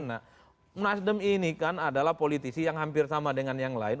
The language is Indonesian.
nah nasdem ini kan adalah politisi yang hampir sama dengan yang lain